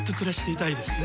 いいですね。